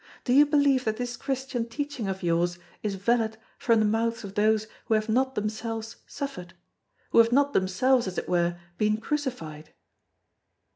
Do you believe that this Christian teaching of yours is valid from the mouths of those who have not themselves suffered—who have not themselves, as it were, been crucified?"